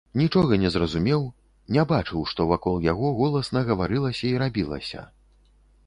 Нічога не зразумеў, не бачыў, што вакол яго голасна гаварылася і рабілася.